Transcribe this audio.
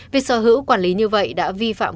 việc sở hữu quản lý như vậy đã vi phạm